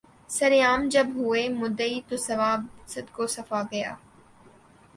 سر عام جب ہوئے مدعی تو ثواب صدق و صفا گیا